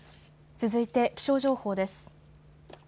続いて気象情報です。